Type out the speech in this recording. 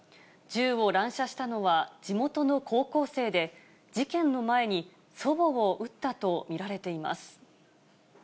銃を乱射したのは地元の高校生で、事件の前に祖母を撃ったと見られています。